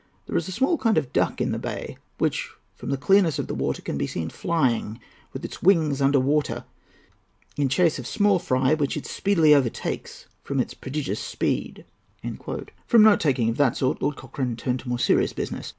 There is a small kind of duck in the bay, which, from the clearness of the water, can be seen flying with its wings under water in chase of small fry, which it speedily overtakes from its prodigious speed." From note making of that sort, Lord Cochrane turned to more serious business.